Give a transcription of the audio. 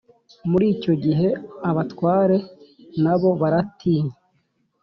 muri icyo gihe, abatware nabo baratinye